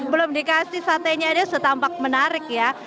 belum dikasih satenya dia setampak menarik ya